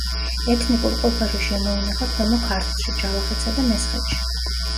ეთნიკურ ყოფაში შემოინახა ქვემო ქართლში, ჯავახეთსა და მესხეთში.